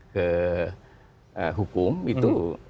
ke hukum itu